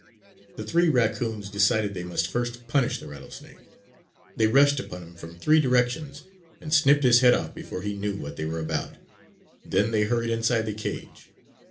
The three raccoons decided they must first punish the rattlesnake. They rushed upon him from three directions and snipped his head off before he knew what they were about. Then they hurried inside the cage.